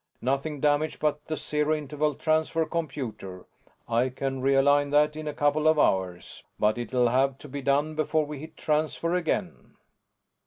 "Nothing damaged but the Zero Interval Transfer computer. I can realign that in a couple of hours, but it'll have to be done before we hit Transfer again."